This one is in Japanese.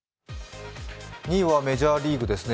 ２位めメジャーリーグですね